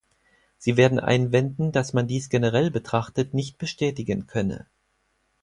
Sie werden einwenden, dass man dies generell betrachtet nicht bestätigen könne.